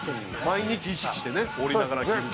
毎日意識してね折りながら着る。